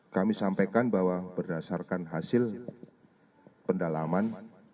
kami sampaikan bahwa berdasarkan hasil pendalaman